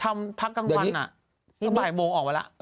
ทำพักกลางวันนี่บ่ายโมงออกไปแล้ว